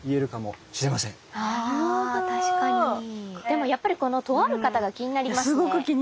でもやっぱりこの「とある方」が気になりますね。